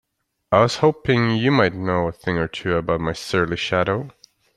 I was hoping you might know a thing or two about my surly shadow?